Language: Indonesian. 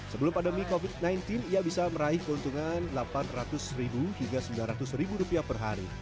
sebelum pandemi covid sembilan belas ia bisa meraih keuntungan rp delapan ratus hingga sembilan ratus per hari